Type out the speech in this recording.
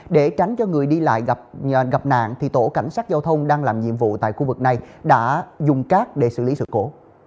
để tránh cho người đi lại gặp nạn tổ cảnh sát giao thông đang làm nhiệm vụ tại khu vực này đã dùng cát để xử lý sự cố